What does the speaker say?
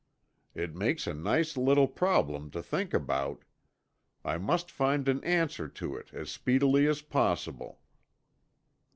It makes a nice little problem to think about. I must find an answer to it as speedily as possible."